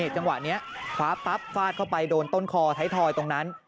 จังหวะนี้คว้าปั๊บฟาดเข้าไปโดนต้นคอไทยทอยตรงนั้น